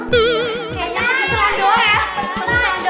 kayaknya kebetulan doang ya